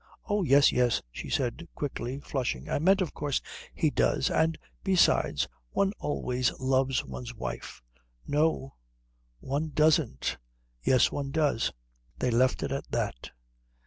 "Oh, yes, yes," she said quickly, flushing. "I meant of course he does. And besides, one always loves one's wife." "No, one doesn't." "Yes, one does." They left it at that.